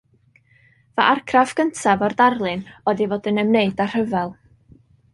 Fy argraff gyntaf o'r darlun oedd ei fod ei yn ymwneud â rhyfel